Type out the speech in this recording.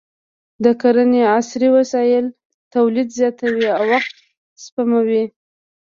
د کرنې عصري وسایل تولید زیاتوي او وخت سپموي.